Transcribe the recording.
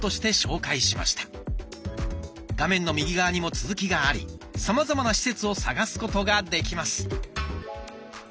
画面の右側にも続きがありさまざまな施設を探すことができます。